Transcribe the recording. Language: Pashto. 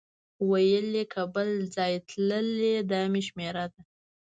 ویل یې که بل ځای تللی دا مې شمېره ده.